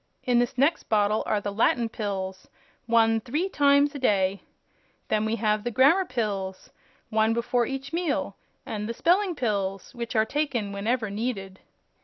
In this next bottle are the Latin Pills one three times a day. Then we have the Grammar Pills one before each meal and the Spelling Pills, which are taken whenever needed."